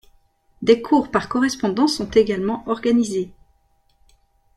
Des cours par correspondance sont également organisés.